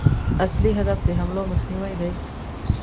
اصلي هدف د حملو مخنیوی دی.